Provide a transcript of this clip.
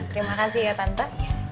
terima kasih ya tante